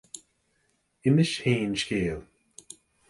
Inis féin scéal.